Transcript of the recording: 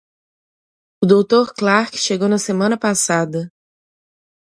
O doutor Clark chegou na semana passada.